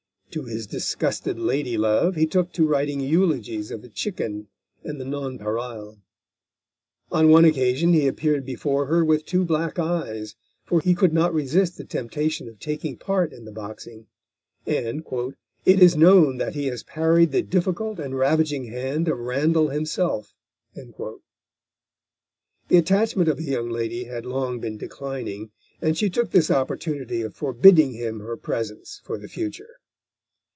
To his disgusted lady love he took to writing eulogies of the Chicken and the Nonpareil. On one occasion he appeared before her with two black eyes, for he could not resist the temptation of taking part in the boxing, and "it is known that he has parried the difficult and ravaging hand of Randall himself." The attachment of the young lady had long been declining, and she took this opportunity of forbidding him her presence for the future.